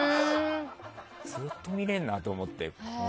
ずっと見れるなと思って。